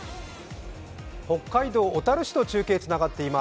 北海道小樽市と中継がつながっています。